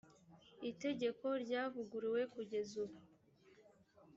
itegeko ryavuguruwe kugeza ubu